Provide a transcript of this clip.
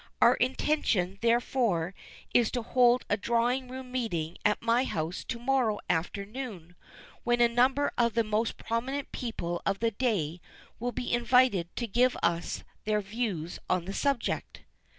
Our intention, therefore, is to hold a drawing room meeting at my house to morrow afternoon, when a number of the most prominent people of the day will be invited to give us their views upon the subject.